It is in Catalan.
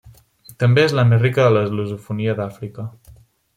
També és la més rica de la lusofonia d'Àfrica.